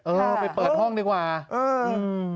เออไปเปิดห้องดีกว่าเอออืม